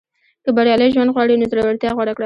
• که بریالی ژوند غواړې، نو زړورتیا غوره کړه.